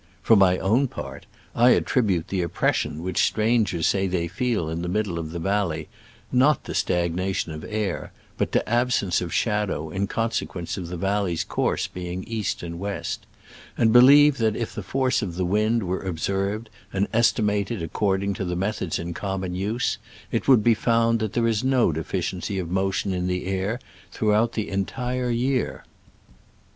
For my own part, I attribute the oppression which strangers say they feel in the middle of the valley not to stagnation of air, but to absence of shadow in consequence of the val ley's course being east and west; and believe that if the force of the wind were observed and estimated according to the methods in common use, it would be found that there is no deficiency of mo tion in the air throughout the entire year.